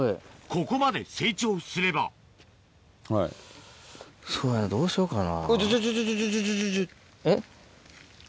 ここまで成長すればそうやねどうしようかな。